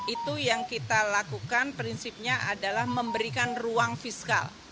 itu yang kita lakukan prinsipnya adalah memberikan ruang fiskal